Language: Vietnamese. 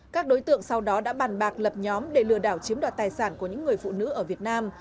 các đối tượng sau đó đã bàn bạc lập nhóm để lừa đảo chiếm đoạt tài sản của những người phụ nữ ở việt nam